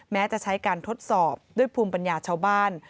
แม้จะใช้การทดสอบด้วยภูมิปัญญาชาวบ้าน